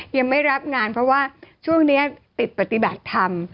ยังไม่รับงานเพราะว่าช่วงนี้ติดปฏิบัติธรรม